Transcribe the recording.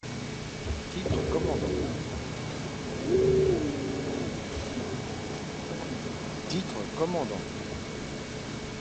Titre: Commandant.